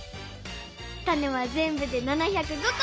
タネはぜんぶで７０５こ！